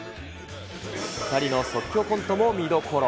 ２人の即興コントも見どころ。